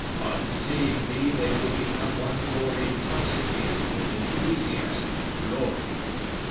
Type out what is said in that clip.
On seeing me they will become once more intoxicated with enthusiasm and glory.